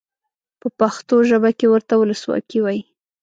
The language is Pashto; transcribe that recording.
په پښتو ژبه کې ورته ولسواکي وایي.